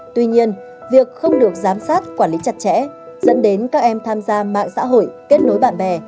tuy nhiên việc không được giám sát quản lý chặt chẽ dẫn đến các em tham gia mạng xã hội kết nối bạn bè